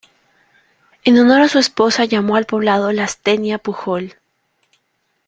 En honor a su esposa, llamó al poblado "Lastenia Pujol".